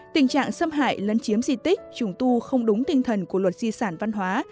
tình trạng xâm hại lấn chiếm di tích trùng tu không đúng tinh thần của luật di sản văn hóa